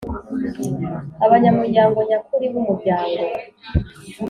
Abanyamuryango nyakuri b umuryango